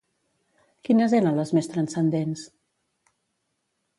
Quines eren les més transcendents?